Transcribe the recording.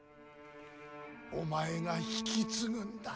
お前が引き継ぐんだよ。